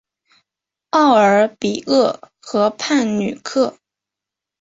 奥尔比厄河畔吕克。